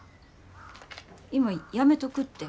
今やめとくって。